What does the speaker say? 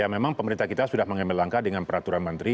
ya memang pemerintah kita sudah mengambil langkah dengan peraturan menteri